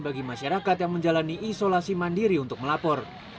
bagi masyarakat yang menjalani isolasi mandiri untuk melapor